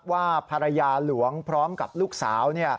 ว่าภรรยาหลวงพร้อมกับลูกสาว